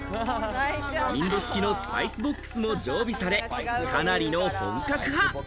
インド式のスパイスボックスも常備され、かなりの本格派。